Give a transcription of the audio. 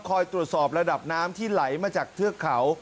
คอยตรวจสอบระดับน้ำที่ไหลมาจากเทือกเขา